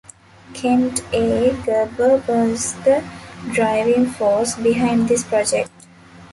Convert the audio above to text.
Kent A. Gerber was the driving force behind this project.